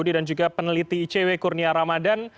dan juga peneliti icw kurnia ramadhan